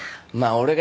俺が。